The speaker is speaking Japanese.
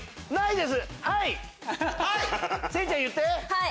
はい！